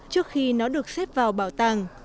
trước khi nó được xếp vào bảo tàng